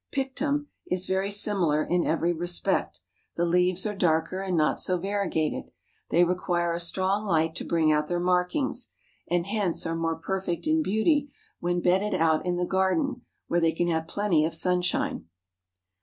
Pictum is very similar in every respect; the leaves are darker, and not so variegated. They require a strong light to bring out their markings, and hence are more perfect in beauty when bedded out in the garden, where they can have plenty of sunshine.